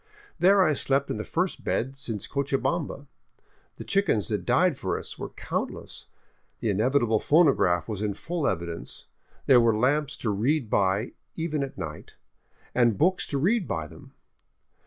There I slept in the first bed since Cochabamba. The chickens that died for us were countless, the inevitable phonograph was in full evidence, there were lamps to read by even at night, and books to read by them.